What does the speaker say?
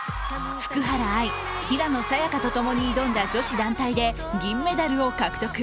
福原愛、平野早矢香とともに挑んだ女子団体で銀メダルを獲得。